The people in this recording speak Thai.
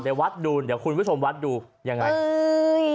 เดี๋ยววัดดูเดี๋ยวคุณผู้ชมวัดดูยังไงเอ้ย